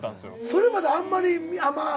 それまであんまりまあ